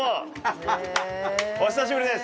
お久しぶりです。